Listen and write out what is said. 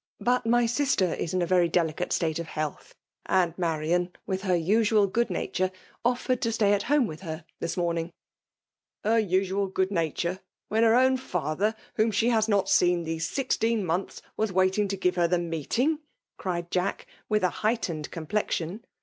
—" But my sister is in a very deli cate state of health, and Marian, with h^ usual 'good nature, offered to stay at home with h^r Ifiisirioming." ''Her usual good nature — when her oim I?SMALE PpMINATIOIf. ^ &tl)^l*, wliom she baa not seen these, sixteen months^ was waiting to give her the meetinjg?^' Giied Jacki with a heightened complexion.